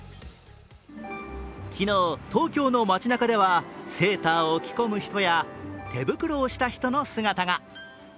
昨日、東京の街なかではセーターを着込む人や手袋をした人の姿が。